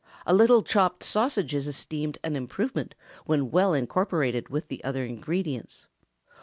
A little chopped sausage is esteemed an improvement when well incorporated with the other ingredients.